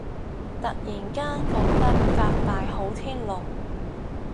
突然間覺得革大好天龍